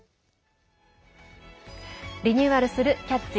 リニューアルする「キャッチ！